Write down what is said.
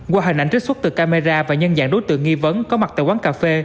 qua hình ảnh trích xuất từ camera và nhân dạng đối tượng nghi vấn có mặt tại quán cà phê